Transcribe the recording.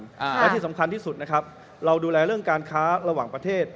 และที่สำคัญที่สุดนะครับเราดูแลเรื่องการค้าระหว่างประเทศ